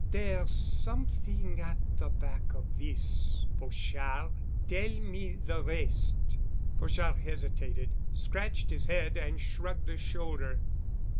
"There's something at the back of this, Pochard. Tell me the rest." Pochard hesitated, scratched his head and shrugged a. shoulder.